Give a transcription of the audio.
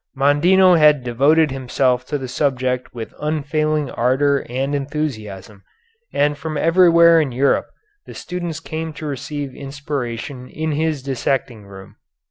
Mondino had devoted himself to the subject with unfailing ardor and enthusiasm, and from everywhere in Europe the students came to receive inspiration in his dissecting room.